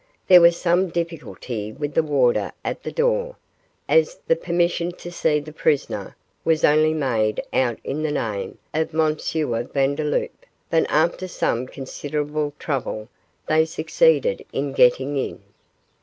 There was some difficulty with the warder at the door, as the permission to see the prisoner was only made out in the name of M. Vandeloup, but after some considerable trouble they succeeded in getting in.